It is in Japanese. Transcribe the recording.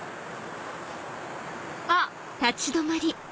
あっ。